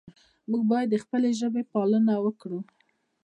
موږ باید د خپلې ژبې پالنه وکړو.